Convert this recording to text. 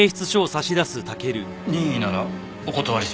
任意ならお断りします。